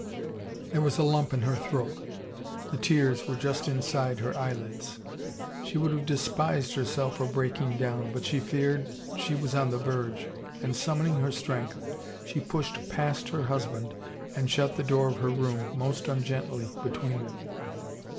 There was a lump in her throat; the tears were just inside her eyelids. She would have despised herself for breaking down, but she feared she was on the verge, and, summoning* her strength, she pushed past her husband and shut the door of her room most ungently between them.